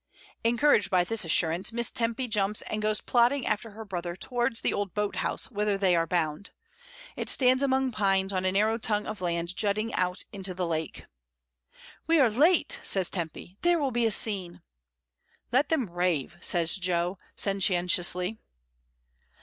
1 6 MRS. DYMOND. Encouraged by this assurance, Miss Tempy jumps and goes plodding after her brother towards the old boat house, whither they are bound. It stands among pines on a narrow tongue of land jutting out into the lake. "We are late," says Tempy, "there will be a scene!" "Let them rave," says Jo, sententiously.